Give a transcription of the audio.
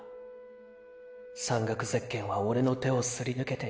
山岳ゼッケンはオレの手をすりぬけていった。